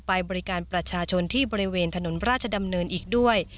ไปบริการประชาชนที่บริเวณถนนราชดำเนินอีกด้วย